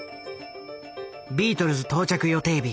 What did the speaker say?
ビートルズ到着予定日